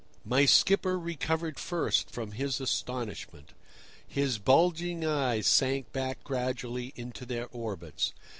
My skipper recovered first from his astonishment. His bulging eyes sank back gradually into their orbits.